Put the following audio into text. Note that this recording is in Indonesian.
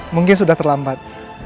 mungkin sudah terlambat